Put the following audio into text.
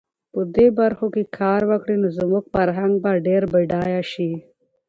په دې برخو کې کار وکړي، نو زموږ فرهنګ به ډېر بډایه شي.